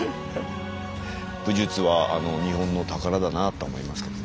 武術は日本の宝だなと思いますけどね。